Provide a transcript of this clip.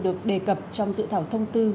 được đề cập trong dự thảo thông tư